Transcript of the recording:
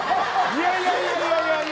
いやいやいやいや